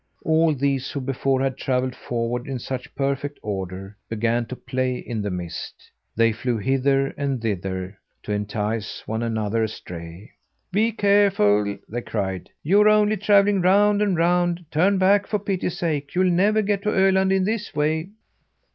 All these, who before had travelled forward in such perfect order, began to play in the mist. They flew hither and thither, to entice one another astray. "Be careful!" they cried. "You're only travelling round and round. Turn back, for pity's sake! You'll never get to Öland in this way."